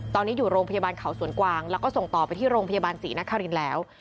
ตอนนี้อยู่โรงพยาบาลเขาสวนกวางแล้วก็ส่งต่อไปที่โรงพยาบาลศรีนครินทร์แล้ว